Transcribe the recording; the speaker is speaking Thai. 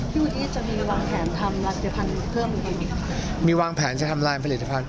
พี่วุฒิจะมีวางแผนทำลัตเทศภัณฑ์เพิ่มยังไงครับ